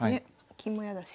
金も嫌だし。